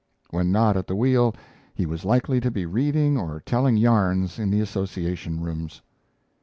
When not at the wheel, he was likely to be reading or telling yarns in the Association Rooms.